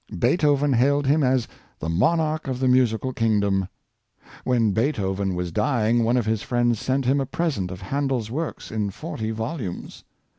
Beethoven hailed him as " the monarch of the musical kingdom." When Beethoven was dy ing, one of his friends sent him a present of HandePs w^orks, in forty volumes.